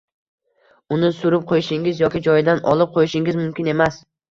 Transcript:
Uni surib qo‘yishingiz yoki joyidan olib qo‘yishingiz mumkin emas.